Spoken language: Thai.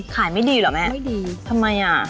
ไม่ดีเหรอแม่ไม่ดีทำไมอ่ะ